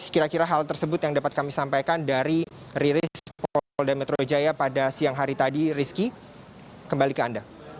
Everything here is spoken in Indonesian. kira kira hal tersebut yang dapat kami sampaikan dari riris polda metro jaya pada siang hari tadi rizky kembali ke anda